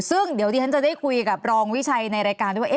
ซึ่งเดี๋ยวดิฉันจะได้คุยกับรองวิชัยในรายการด้วยว่า